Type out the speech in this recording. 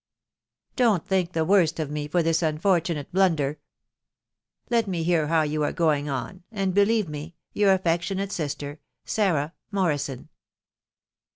Don't think the worse of me for thiB unfortunate blunder. ••. Let me hear how you are going on, and be lieve me " Your affectionate sister, " Sarah Morrison."